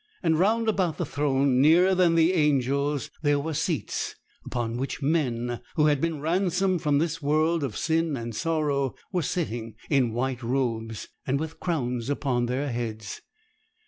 And round about the throne, nearer than the angels, there were seats, upon which men who had been ransomed from this world of sin and sorrow were sitting in white robes, and with crowns upon their heads.